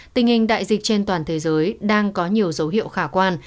tình hình đại dịch trên toàn thế giới đang có nhiều dấu hiệu khả quan